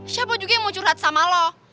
siapa juga yang mau curhat sama lo